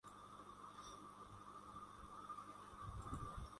কিন্তু এবারের হিজরত ছিল ব্যাপক ও সামগ্রীক।